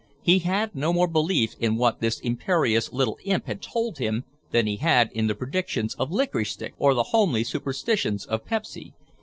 He had no more belief in what this imperious little imp had told him than he had in the predictions of Licorice Stick, or the homely superstitions of Pepsy.